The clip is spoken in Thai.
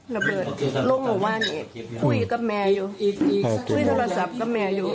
ระเบิดลงมานี่คุยกับแม่อยู่อีกคุยโทรศัพท์กับแม่อยู่